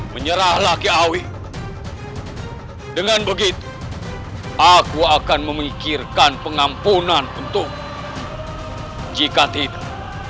menyerahlah keawi dengan begitu aku akan memikirkan pengampunan untuk jika tidak